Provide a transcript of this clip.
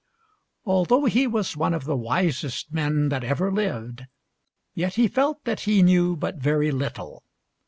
Although he was one of the wisest men that ever lived, yet he felt that he knew but very little.